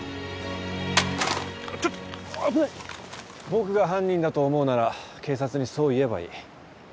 僕が犯人だと思うなら警察にそう言えばいい。